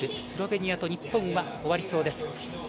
スロベニアと日本は終わりそうです。